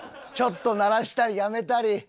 ちょっと鳴らしたりやめたり。